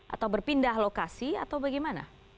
atau berpindah lokasi atau bagaimana